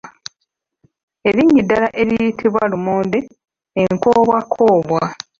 Erinnya eddala eriyitibwa lumonde enkoobwakoobwa.